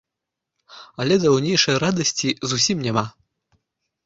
Але даўнейшай радасці зусім няма.